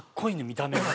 見た目が。